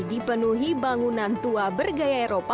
dipenuhi bangunan tua bergaya eropa